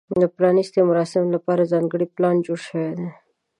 د پرانیستې مراسمو لپاره ځانګړی پلان جوړ شوی دی.